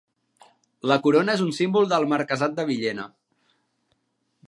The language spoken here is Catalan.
La corona és un símbol del marquesat de Villena.